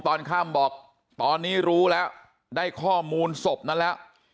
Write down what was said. ตอนค่ำบอกตอนนี้รู้แล้วได้ข้อมูลศพนั้นแล้ว